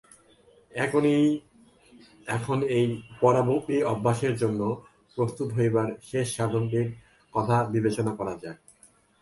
এখন এই পরাভক্তি-অভ্যাসের জন্য প্রস্তুত হইবার শেষ সাধনটির কথা বিবেচনা করা যাক।